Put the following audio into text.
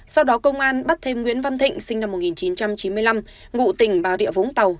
sau đó công an bắt thêm nguyễn văn thịnh sinh năm một nghìn chín trăm chín mươi năm ngụ tỉnh bà rịa vũng tàu